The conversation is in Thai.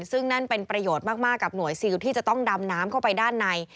ซึ่งนั่นเป็นประโยชน์มากกับหน่วยซิลที่จะต้องดำน้ำเข้าไปด้านใน